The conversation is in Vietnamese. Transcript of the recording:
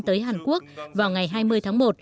tới hàn quốc vào ngày hai mươi tháng một